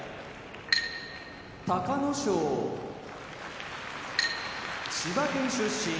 隆の勝千葉県出身